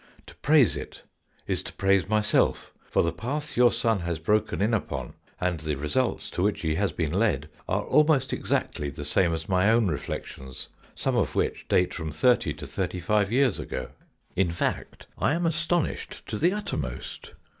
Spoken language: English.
To praise it is to praise myself, for the path your son has broken in upon and the results to which he has been led are almost exactly the same as my own reflections, some of which date from thirty to thirty five years ago. " In fact I am astonished to the uttermost.